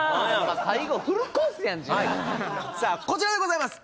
最後さあこちらでございます！